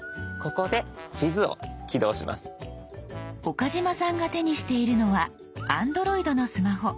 岡嶋さんが手にしているのはＡｎｄｒｏｉｄのスマホ。